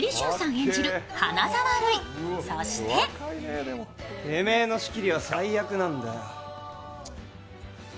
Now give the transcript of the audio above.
演じる花沢類、そしててめえの仕切りは最悪なんだよ。